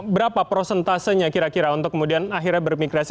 berapa prosentasenya kira kira untuk kemudian akhirnya bermigrasi